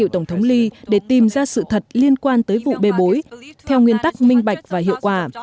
tổng thống lee để tìm ra sự thật liên quan tới vụ bê bối theo nguyên tắc minh bạch và hiệu quả